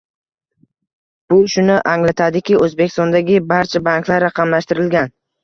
Bu shuni anglatadiki, O'zbekistondagi barcha banklar raqamlashtirilgan